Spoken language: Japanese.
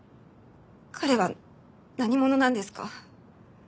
彼は何者なんですか？